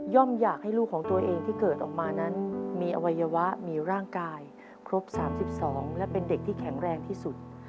อยากให้ลูกของตัวเองที่เกิดออกมานั้นมีอวัยวะมีร่างกายครบ๓๒และเป็นเด็กที่แข็งแรงที่สุด